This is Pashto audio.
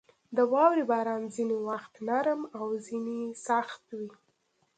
• د واورې باران ځینې وخت نرم او ځینې سخت وي.